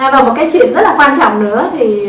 và một cái chuyện rất là quan trọng nữa thì